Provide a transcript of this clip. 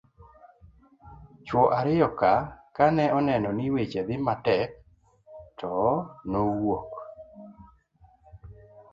chuwo ariyo ka kane oneno ni weche dhi matek to nowuok